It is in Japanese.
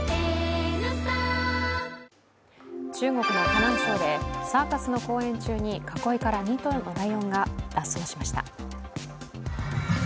中国の河南省でサーカスの公演中に囲いから２頭のライオンが脱走しました。